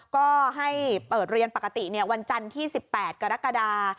ก็ให้เปิดเรียนปกติวันจันทร์ที่๑๘กรกฎา